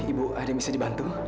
ibu ada yang bisa dibantu